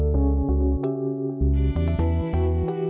pertama kali sudah adventure